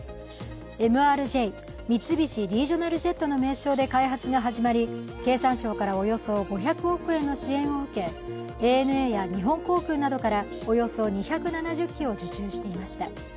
ＭＲＪ＝三菱リージョナルジェットの名称で開発が始まり経産省からおよそ５００億円の支援を受けＡＮＡや日本航空などからおよそ２７０機を受注していました。